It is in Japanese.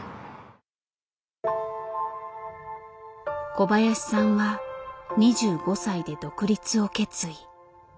小林さんは２５歳で独立を決意。